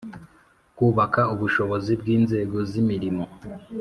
kubaka ubushobozi bw inzego z imirimo